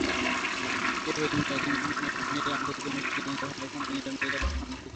এ পর্যন্ত তিনটি একদিনের আন্তর্জাতিক অনুষ্ঠিত হলেও কোনটিতেই ইংল্যান্ড দলের সম্পৃক্ততা ছিল না।